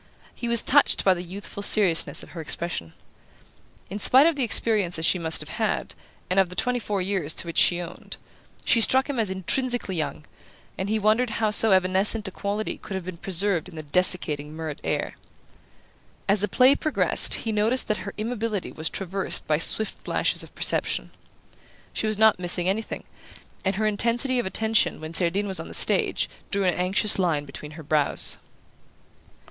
He was touched by the youthful seriousness of her expression. In spite of the experiences she must have had, and of the twenty four years to which she owned, she struck him as intrinsically young; and he wondered how so evanescent a quality could have been preserved in the desiccating Murrett air. As the play progressed he noticed that her immobility was traversed by swift flashes of perception. She was not missing anything, and her intensity of attention when Cerdine was on the stage drew an anxious line between her brows.